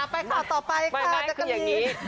ไปขอต่อไปค่ะ